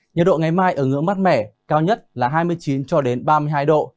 nhiệt độ ngày mai ở ngưỡng mát mẻ cao nhất là hai mươi chín cho đến ba mươi hai độ